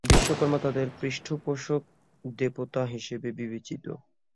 বিশ্বকর্মা তাদের পৃষ্ঠপোষক দেবতা হিসাবে বিবেচিত।